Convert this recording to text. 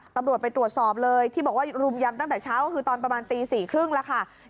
ตำรวจไปตรวจสอบเลยที่บอกว่ารุมยำตั้งแต่เช้าก็คือตอนประมาณตี๔๓๐แล้วค่ะ